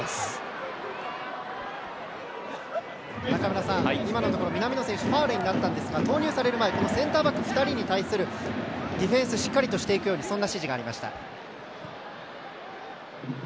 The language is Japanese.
中村さん、今のところ南野選手ファウルになったんですが投入される前にセンターバック２人に対するディフェンスをしっかりしていくようにそんな指示がありました。